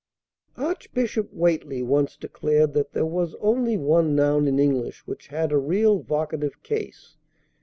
"Archbishop Whately once declared that there was only one noun in English which had a real vocative case.